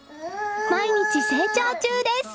毎日、成長中です。